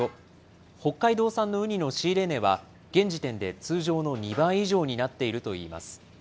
北海道産のウニの仕入れ値は、現時点で通常の２倍以上になっているといいます。